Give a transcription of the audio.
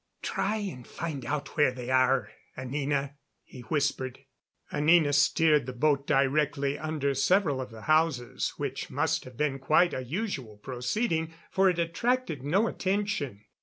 "Try and find out where they are, Anina," he whispered. Anina steered the boat directly under several of the houses, which must have been quite a usual proceeding, for it attracted no attention.